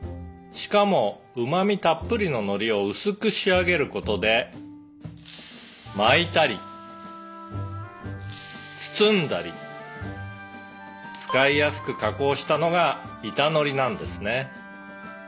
「しかもうま味たっぷりの海苔を薄く仕上げる事で巻いたり包んだり使いやすく加工したのが板海苔なんですね」